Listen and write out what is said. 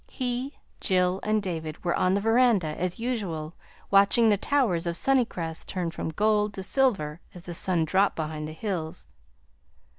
He, Jill, and David were on the veranda, as usual watching the towers of Sunnycrest turn from gold to silver as the sun dropped behind the hills.